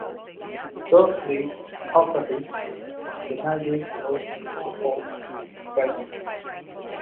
Shortly after this, the Nazis closed the old prison.